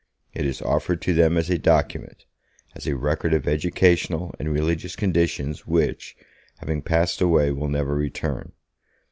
It is offered to them as a document, as a record of educational and religious conditions which, having passed away, will never return.